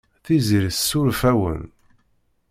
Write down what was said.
Tiziri tessuref-awen.